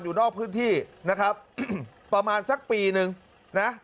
อยู่นอกพื้นที่นะครับประมาณสักปีนึงนะ